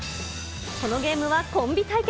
このゲームはコンビ対決。